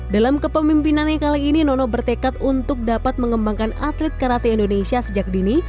dalam kepemimpinannya kali ini nono bertekad untuk dapat mengembangkan atlet karate indonesia sejak dini